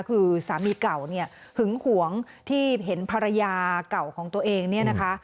คือสามีเก่าเนี่ยหึงหวงที่เห็นภรรยาเก่าของตัวเองเนี่ยนะคะ